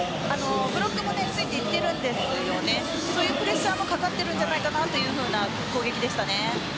ブロックもついていっているんですけれどプレッシャーのかかっているんじゃないかという攻撃でした。